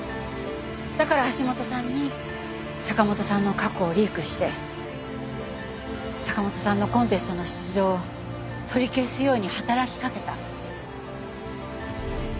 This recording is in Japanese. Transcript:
だから橋本さんに坂元さんの過去をリークして坂元さんのコンテストの出場を取り消すように働きかけた。